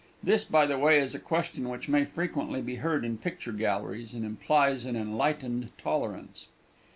This, by the way, is a question which may frequently be heard in picture galleries, and implies an enlightened tolerance.